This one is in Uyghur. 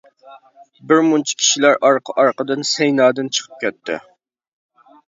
بىرمۇنچە كىشىلەر ئارقا-ئارقىدىن سەينادىن چىقىپ كەتتى.